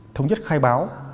thống nhất khai báo